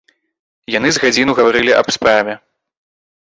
Яны з гадзіну гаварылі аб справе.